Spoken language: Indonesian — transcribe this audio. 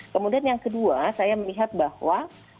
kemudian yang kedua saya melihat bahwa